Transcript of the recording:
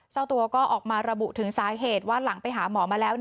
เจ้าตัวก็ออกมาระบุถึงสาเหตุว่าหลังไปหาหมอมาแล้ว